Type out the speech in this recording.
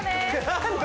何だ？